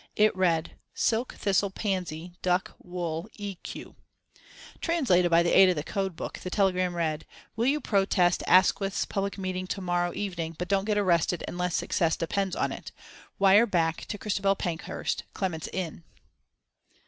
It read: "Silk, thistle, pansy, duck, wool, E. Q." Translated by the aid of the code book the telegram read: "Will you protest Asquith's public meeting to morrow evening but don't get arrested unless success depends on it. Wire back to Christabel Pankhurst, Clements Inn."